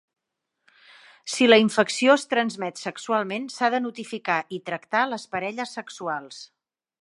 Si la infecció es transmet sexualment, s'ha de notificar i tractar les parelles sexuals.